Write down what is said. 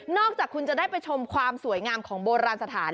จากคุณจะได้ไปชมความสวยงามของโบราณสถาน